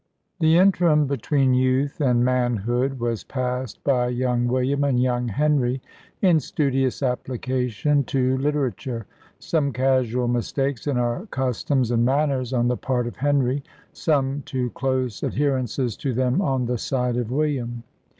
The interim between youth and manhood was passed by young William and young Henry in studious application to literature; some casual mistakes in our customs and manners on the part of Henry; some too close adherences to them on the side of William.